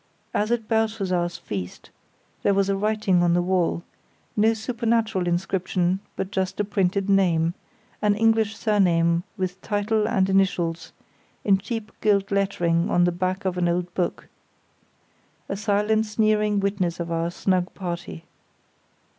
As at Belshazzar's feast, there was a writing on the wall; no supernatural inscription, but just a printed name; an English surname with title and initials, in cheap gilt lettering on the back of an old book; a silent, sneering witness of our snug party.